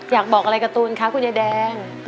อยากบอกอะไรการ์ตูนคะคุณยายแดง